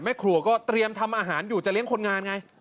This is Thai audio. ครัวก็เตรียมทำอาหารอยู่จะเลี้ยงคนงานไง